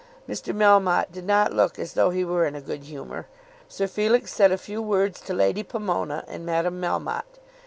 Mr. Melmotte did not look as though he were in a good humour. Sir Felix said a few words to Lady Pomona and Madame Melmotte.